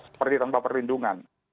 seperti tanpa perlindungan